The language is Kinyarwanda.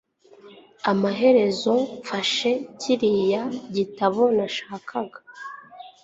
Amaherezo mfashe kiriya gitabo nashakaga.